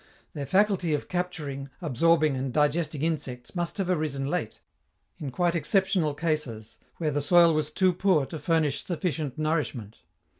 Their faculty of capturing, absorbing and digesting insects must have arisen late, in quite exceptional cases where the soil was too poor to furnish sufficient nourishment.